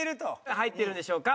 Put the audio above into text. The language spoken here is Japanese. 入っているんでしょうか？